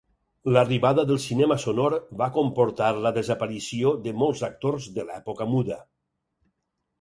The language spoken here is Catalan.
L'arribada del cinema sonor va comportar la desaparició de molts actors de l'època muda.